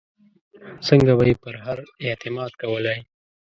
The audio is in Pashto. څنګه به یې پر هغه اعتماد کولای.